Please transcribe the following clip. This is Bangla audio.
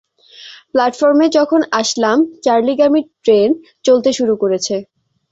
প্ল্যাটফর্মে যখন আসলাম, চার্লিগামী ট্রেন চলতে শুরু করেছে।